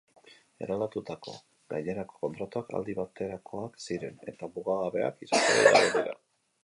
Eraldatutako gainerako kontratuak aldi baterakoak ziren, eta mugagabeak izatera igaro dira.